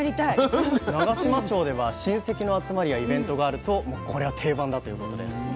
もう長島町では親戚の集まりやイベントがあるとこれは定番だということです。